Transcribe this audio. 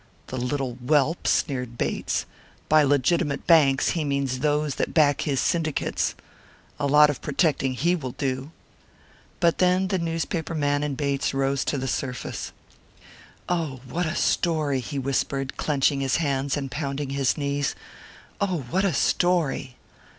"The little whelp!" sneered Bates. "By legitimate banks he means those that back his syndicates. A lot of protecting he will do!" But then the newspaper man in Bates rose to the surface. "Oh, what a story," he whispered, clenching his hands, and pounding his knees. "Oh, what a story!"